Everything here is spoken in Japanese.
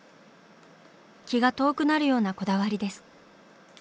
気が遠くなるようなこだわりです。